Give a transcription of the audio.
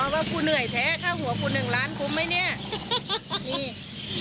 อ๋อว่าคุณเหนื่อยแท้ข้าวหัวคุณหนึ่งล้านคุ้มไหมเนี้ยมี